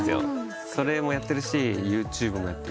それもやってるしＹｏｕＴｕｂｅもやってるし。